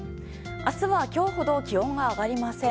明日は今日ほど気温が上がりません。